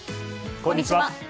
こんにちは。